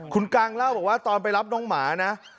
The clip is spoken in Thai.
คุณกังเล่าบอกว่าตอนไปรับน้องหมานะ